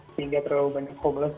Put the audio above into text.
sehingga terlalu banyak homeless